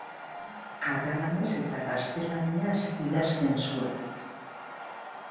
Katalanez eta gaztelaniaz idazten zuen.